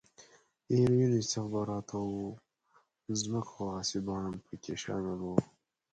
د هیروینو، استخباراتو او ځمکو غاصبان په کې شامل و.